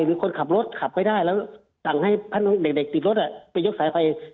หรือคนขับรถขับไม่ได้แล้วสั่งให้เด็กติดรถไปยกสายไฟ